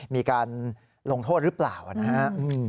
มีการลงโทษหรือเปล่านะครับ